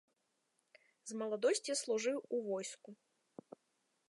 З маладосці служыў у войску.